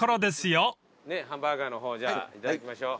ハンバーガーの方いただきましょう。